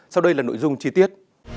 sau đây là nội dung chi tiết